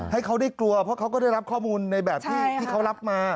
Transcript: ให้เขาได้กลัวเพราะเขาก็ได้รับข้อมูลในแบบที่เขารับมา